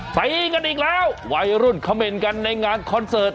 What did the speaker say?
ตีกันอีกแล้ววัยรุ่นเขม่นกันในงานคอนเสิร์ต